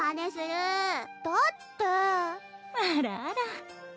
あらあら。